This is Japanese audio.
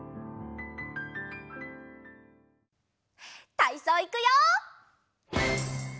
たいそういくよ！